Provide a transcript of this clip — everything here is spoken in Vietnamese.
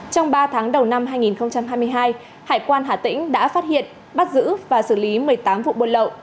trong ba tháng đầu năm hai nghìn hai mươi hai hải quan hà tĩnh đã phát hiện bắt giữ và xử lý một mươi tám vụ buôn lậu